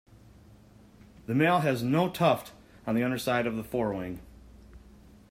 The male has no tuft on the underside of the forewing.